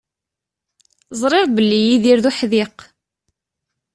Ẓriɣ belli Yidir d uḥdiq.